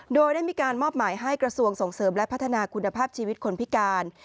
โดยได้มีการมอบหมายให้กระทรวงส่งเสริมและพัฒนาคุณภาพชีวิตคนพิการ